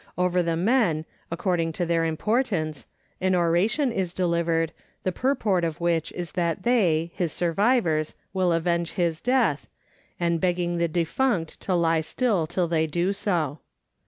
Over the men, according to their importance, an oration is delivered, the purport of which is that they, his survivors, will avenge his death, and begging the defunct to lie still till they do so.